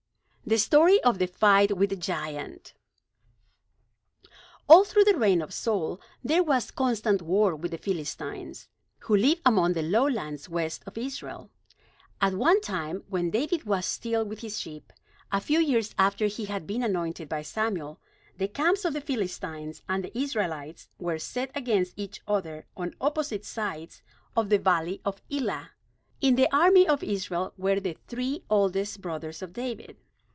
THE STORY OF THE FIGHT WITH THE GIANT All through the reign of Saul, there was constant war with the Philistines, who lived upon the lowlands west of Israel. At one time, when David was still with his sheep, a few years after he had been anointed by Samuel, the camps of the Philistines and the Israelites were set against each other on opposite sides of the valley of Elah. In the army of Israel were the three oldest brothers of David.